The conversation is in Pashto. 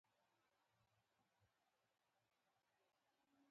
په کښتیو په ډیزاین کې لږ تحول راغی.